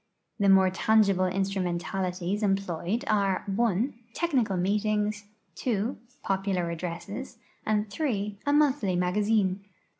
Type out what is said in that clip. The more tangible instrumentalities employed are (1) technical meetings, (2) popular addresses, and (3) a monthly magazine.